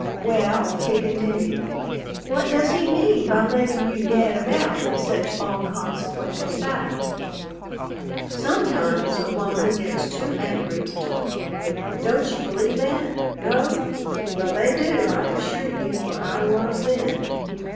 "Well," he continued, "what does he mean by letting you gad about in such onconsequential style?" Sometimes a woman gets too angry to talk. Don't you believe that? No? Well, they do, I assure you, for I was then.